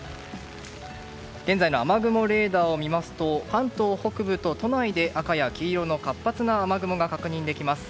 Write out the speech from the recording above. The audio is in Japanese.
現在の雨雲レーダーを見ますと関東北部と都内で赤や黄色の活発な雨雲が確認できます。